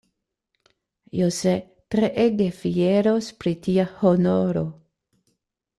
José treege fieros pri tia honoro.